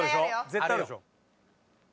絶対あるでしょ。